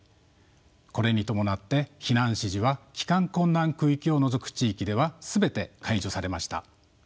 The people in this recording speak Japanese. これに伴って避難指示は帰還困難区域を除く地域では全て解除されました。